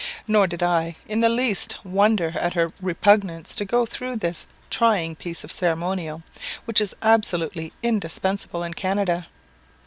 Nor did I in the least wonder at her repugnance to go through this trying piece of ceremonial, which is absolutely indispensable in Canada.